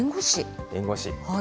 弁護士。